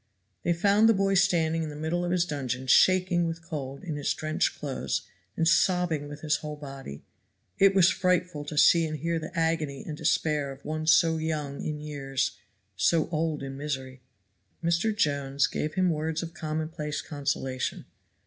They found the boy standing in the middle of his dungeon shaking with cold in his drenched clothes and sobbing with his whole body. It was frightful to see and hear the agony and despair of one so young in years, so old in misery. Mr. Jones gave him words of commonplace consolation.